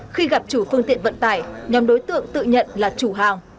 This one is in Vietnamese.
khi gặp chủ phương tiện vận tải nhóm đối tượng tự nhận là chủ hàng